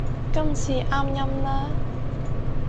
今次啱音啦